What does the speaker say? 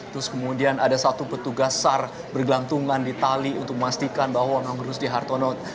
terus kemudian ada satu petugas sar bergelantungan di tali untuk memastikan bahwa nama rusti hartono